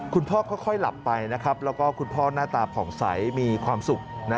คุณพ่อค่อยหลับไปนะครับแล้วก็คุณพ่อหน้าตาผ่องใสมีความสุข